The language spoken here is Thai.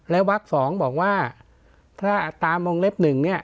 แล้ววัก๒บอกว่าถ้าตามวงเล็บ๑เนี่ย